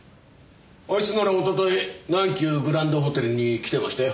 あいつならおととい南急グランドホテルに来てましたよ。